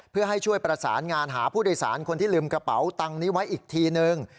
พี่จัดการให้เรียบร้อยนะแต่ผมจะคอยตรวจสอบอยู่ต่อเนื่อง